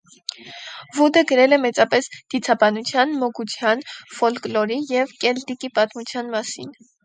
Վուդը գրել է մեծապես դիցաբանության, մոգության, ֆոլկլորի և կելտիկի պատմության մասին։